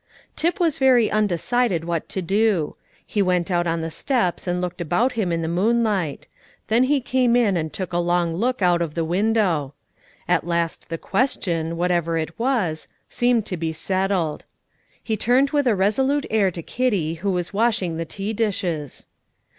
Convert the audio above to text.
Tip was very undecided what to do. He went out on the steps and looked about him in the moonlight; then he came in and took a long look out of the window. At last the question, whatever it was, seemed to be settled. He turned with a resolute air to Kitty who was washing the tea dishes.